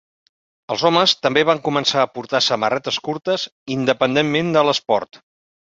Els homes també van començar a portar samarretes curtes independentment de l"esport.